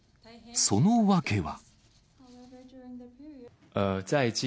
その訳は。